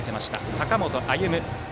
高本歩夢。